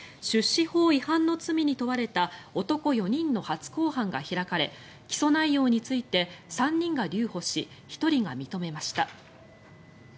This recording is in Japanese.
出資法違反の罪に問われた男４人の初公判が開かれ起訴内容について３人が留保し１人が認めました。